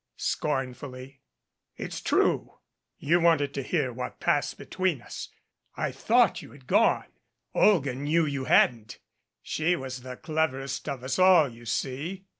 scornfully. "It's true. You wanted to hear what passed between us. I thought you had gone. Olga knew you hadn't. She was the cleverest of us all, you see."